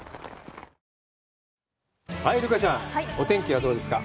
留伽ちゃん、お天気はどうですか。